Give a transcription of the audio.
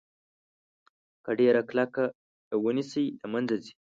که ډیره کلکه یې ونیسئ له منځه ځي.